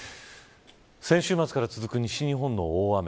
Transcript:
先週末から続く西日本の大雨。